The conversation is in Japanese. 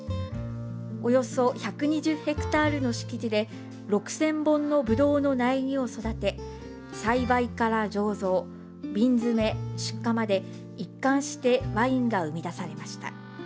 およそ１２０ヘクタールの敷地で６０００本のぶどうの苗木を育て栽培から醸造、瓶詰め出荷まで一貫してワインが生み出されました。